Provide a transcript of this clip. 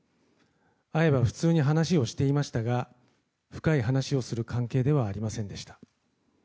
会えば普通に話をしていましたが深い話をする関係ではありませんでした。